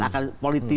akan lebih thick